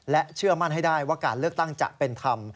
เชื่อมั่นให้ได้ว่าการเลือกตั้งจะเป็นธรรม